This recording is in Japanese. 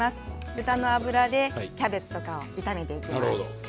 豚の脂でキャベツとか炒めていきます。